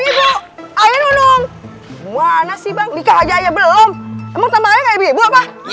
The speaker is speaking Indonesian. ibu ayah nonong gimana sih bang nikah aja belom emang sama ayah gak ibu ibu apa ya